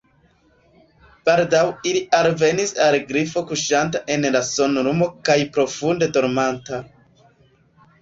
Baldaŭ ili alvenis al Grifo kuŝanta en la sunlumo kaj profunde dormanta.